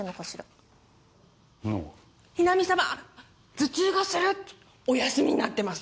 頭痛がするってお休みになってます。